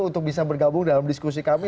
untuk bisa bergabung dalam diskusi kami